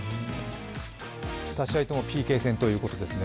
２試合ともＰＫ戦ということですね。